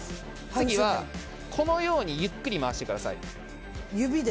次はこのようにゆっくり回してください。